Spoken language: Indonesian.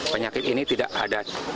penyakit ini tidak ada